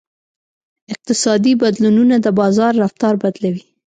اقتصادي بدلونونه د بازار رفتار بدلوي.